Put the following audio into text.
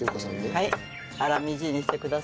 はい。